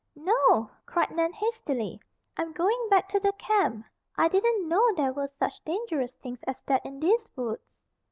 "No!" cried Nan hastily. "I'm going back to the camp. I didn't know there were such dangerous things as that in these woods."